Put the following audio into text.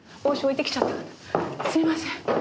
すいません。